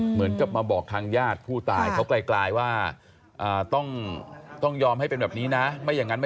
เหมือนกับมาบอกทางญาติผู้ตายกลายว่าก็ต้องยอมให้เป็นแบบนี้นะ